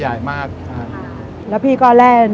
หลังจากเกรียรติดช่วงและเสื้อ